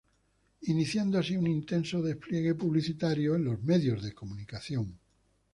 Iniciando así un intenso despliegue publicitario en los medios de comunicación.